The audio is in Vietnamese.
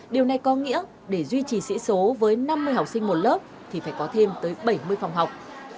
điều này có nghĩa để duy trì sĩ số với năm mươi học sinh một lớp thì phải có thêm tới bảy mươi phòng học